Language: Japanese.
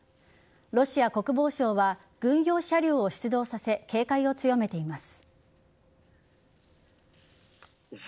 ロシア国防省は軍用車両を出動させ警戒を強めています。